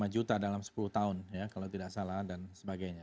lima juta dalam sepuluh tahun ya kalau tidak salah dan sebagainya